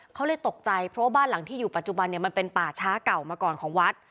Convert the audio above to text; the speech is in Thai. เขาเลยตกใจเพราะว่าบ้านหลังที่อยู่ปัจจุบันเนี่ยมันเป็นป่าช้าเก่ามาก่อนของวัด